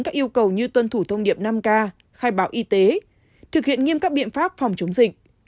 các yêu cầu như tuân thủ thông điệp năm k khai báo y tế thực hiện nghiêm các biện pháp phòng chống dịch